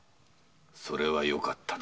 それはよかった。